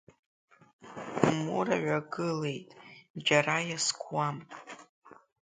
Мура ҩагылеит, џьара иазкуам.